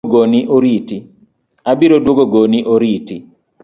Abiro duogo goni oriti